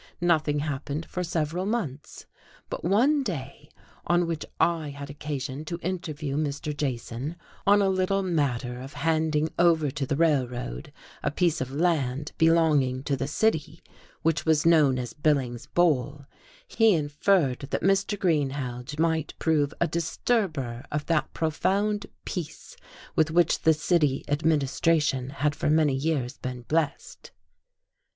Nothing happened for several months. But one day on which I had occasion to interview Mr. Jason on a little matter of handing over to the Railroad a piece of land belonging to the city, which was known as Billings' Bowl, he inferred that Mr. Greenhaige might prove a disturber of that profound peace with which the city administration had for many years been blessed.